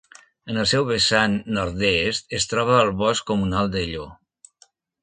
En el seu vessant nord-est es troba el Bosc Comunal de Llo.